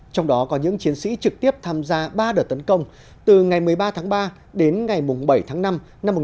trong đó có những chiến sĩ trực tiếp tham gia ba đợt tấn công từ ngày một mươi ba tháng ba đến ngày bảy tháng năm năm một nghìn chín trăm bốn mươi bốn